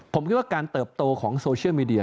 ผมคิดว่าการเติบโตของโซเชียลมีเดีย